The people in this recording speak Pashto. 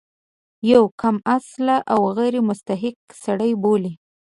یو کم اصل او غیر مستحق سړی بولي.